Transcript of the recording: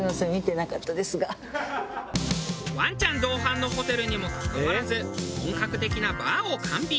ワンちゃん同伴のホテルにもかかわらず本格的なバーを完備。